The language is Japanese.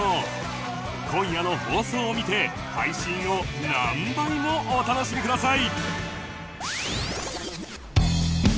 今夜の放送を見て配信を何倍もお楽しみください